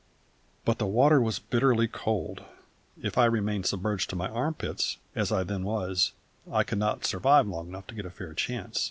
But the water was bitterly cold; if I remained submerged to my armpits, as I then was, I could not survive long enough to get a fair chance.